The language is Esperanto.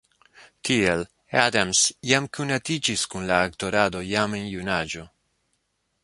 Tiel Adams jam konatiĝis kun la aktorado jam en junaĝo.